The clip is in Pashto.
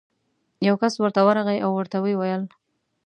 یو کس ورته ورغی او ورته ویې ویل: